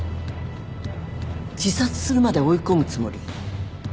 自殺するまで追い込むつもり？